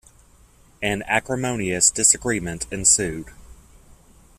An acrimonious disagreement ensued.